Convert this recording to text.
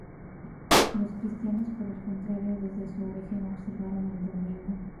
Los cristianos por el contrario desde su origen observaron el domingo.